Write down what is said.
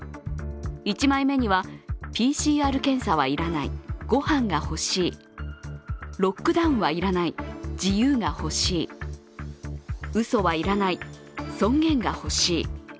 １枚目には「ＰＣＲ検査は要らない、ご飯が欲しい」、「ロックダウンは要らない、自由が欲しい」「うそは要らない」「尊厳が欲しい、」